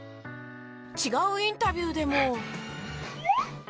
違うインタビューでも。